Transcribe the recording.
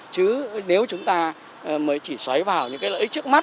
chứ nếu chúng ta mới chỉ xoáy vào những cái lợi ích trước mắt